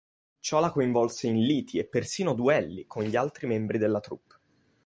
Ciò la coinvolse in liti e persino duelli con gli altri membri della troupe.